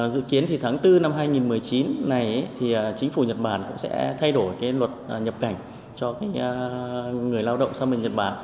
dự kiến thì tháng bốn năm hai nghìn một mươi chín này thì chính phủ nhật bản cũng sẽ thay đổi cái luật nhập cảnh cho người lao động sang mình nhật bản